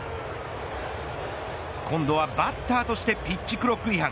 今度はバッターとしてピッチクロック違反。